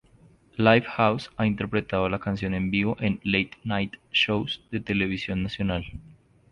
Lifehouse ha interpretado la canción en vivo en late-night shows de televisión nacional.